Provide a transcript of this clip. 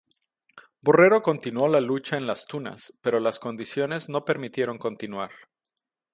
Borrero continuó la lucha en Las Tunas, pero las condiciones no permitieron continuar.